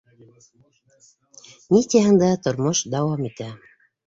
Ни тиһәң дә, тормош дауам итә.